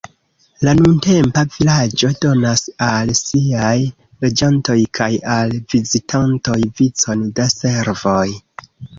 La nuntempa vilaĝo donas al siaj loĝantoj kaj al vizitantoj vicon da servoj.